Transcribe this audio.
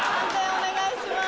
お願いします。